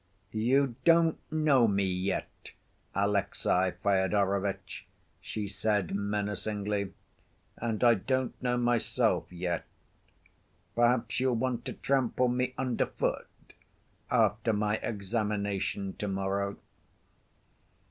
"You don't know me yet, Alexey Fyodorovitch," she said menacingly. "And I don't know myself yet. Perhaps you'll want to trample me under foot after my examination to‐morrow."